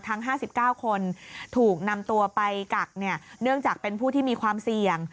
ทั้ง๕๙คนถูกนำตัวไปกักเนื่องจากเป็นผู้ที่มีความเสี่ยง